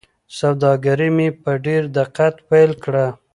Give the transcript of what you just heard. سوداګري مې په ډېر دقت پیل کړه.